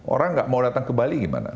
orang nggak mau datang ke bali gimana